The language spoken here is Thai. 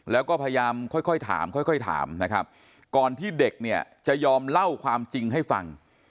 แล้วก็พยายามค่อยถามค่อยถามนะครับก่อนที่เด็กเนี่ยจะยอมเล่าความจริงให้ฟัง